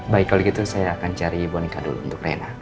baik kalau gitu saya akan cari boneka dulu untuk rena